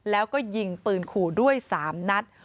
แล้วก็ยิงปืนขู่ด้วย๓นัด